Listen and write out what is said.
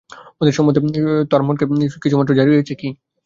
ওদের সঙ্গে সম্বন্ধ-সূত্র তোর মনকে কোথাও কিছুমাত্র জড়িয়েছে কি?